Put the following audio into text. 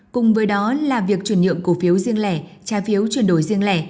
cùng với đó là việc chuyển nhượng cổ phiếu riêng lẻ trái phiếu chuyển đổi riêng lẻ